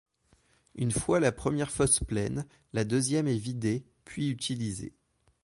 Une fois la première fosse pleine, la deuxième est vidée, puis utilisée.